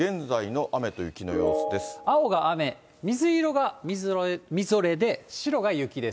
青が雨、水色がみぞれで、白が雪です。